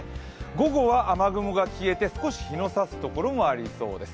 午後は雨雲が消えて少し日のさすところもありそうです。